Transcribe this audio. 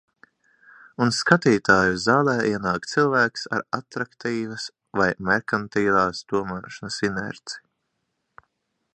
Un skatītāju zālē ienāk cilvēks ar atraktīvas vai merkantilās domāšanas inerci.